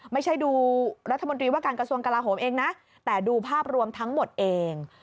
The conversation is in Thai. ไม่ใช่ดูรัฐมนตรีว่าการกระทรวงกลาโหมเองนะแต่ดูภาพรวมทั้งหมดเอง